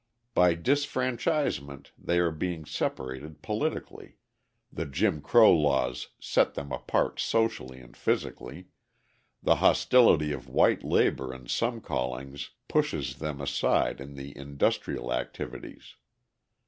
By disfranchisement they are being separated politically, the Jim Crow laws set them apart socially and physically, the hostility of white labour in some callings pushes them aside in the industrial activities.